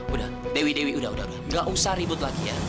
udah dewi dewi udah gak usah ribut lagi ya